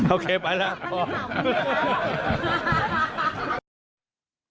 โอเคไปแล้วพอ